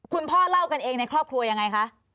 พ่อเล่ากันเองในครอบครัวยังไงคะ